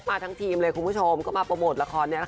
มาทั้งทีมเลยคุณผู้ชมมาประโมช์ละคร